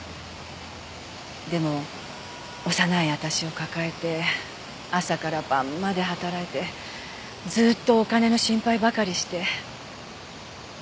でも幼い私を抱えて朝から晩まで働いてずーっとお金の心配ばかりして。